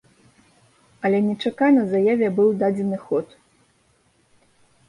Але нечакана заяве быў дадзены ход.